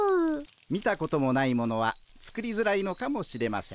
見たこともないものは作りづらいのかもしれません。